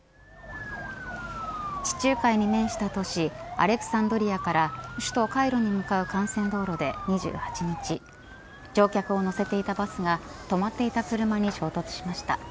地中海に面した都市アレクサンドリアから首都カイロに向かう幹線道路で２８日乗客を乗せていたバスが止まっていた車に衝突しました。